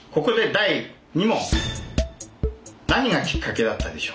何がきっかけだったでしょうか？